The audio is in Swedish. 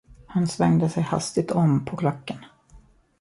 Han svängde sig hastigt om på klacken.